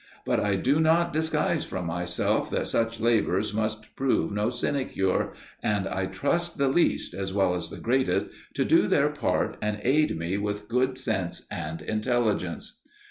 But I do not disguise from myself that such labours must prove no sinecure, and I trust the least, as well as the greatest, to do their part and aid me with good sense and intelligence."